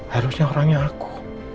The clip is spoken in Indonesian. harusnya orangnya aku